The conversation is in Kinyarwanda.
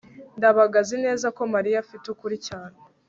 ndabaga azi neza ko mariya afite ukuri cyane